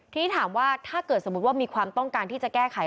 ทีนี้ถามว่าถ้าเกิดสมมุติว่ามีความต้องการที่จะแก้ไข